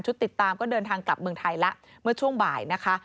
ติดตามก็เดินทางกลับเมืองไทยแล้วเมื่อช่วงบ่ายนะคะ